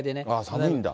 寒いんだ。